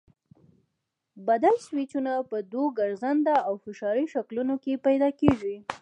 بدل سویچونه په دوو ګرځنده او فشاري شکلونو کې پیدا کېږي.